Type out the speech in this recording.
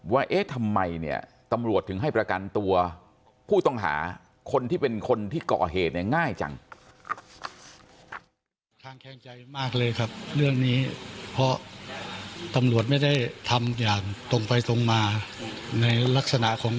ว่าเอ๊ะทำไมเนี่ยตำรวจถึงให้ประกันตัวผู้ต้องหาคนที่เป็นคนที่ก่อเหตุเนี่ยง่ายจัง